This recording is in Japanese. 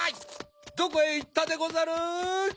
どこへいったでござる！